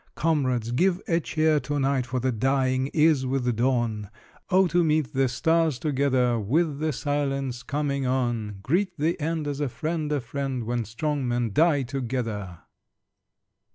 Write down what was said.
Comrades, give a cheer to night, For the dying is with dawn! Oh, to meet the stars together, With the silence coming on! Greet the end As a friend a friend, When strong men die together!